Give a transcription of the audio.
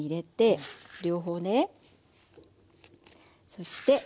そして。